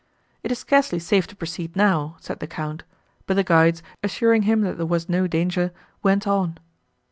"It is scarcely safe to proceed now," said the Count; but the guides, assuring him that there was no danger, went on.